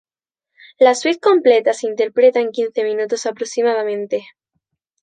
La suite completa se interpreta en quince minutos aproximadamente.